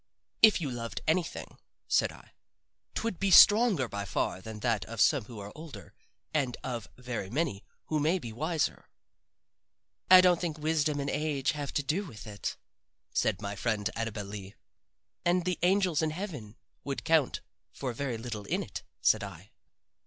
If you loved anything," said I, "'twould be stronger by far than that of some who are older, and of very many who may be wiser." "I don't think wisdom and age have to do with it," said my friend Annabel Lee. "And the angels in heaven would count for very little in it," said I.